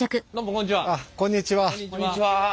こんにちは。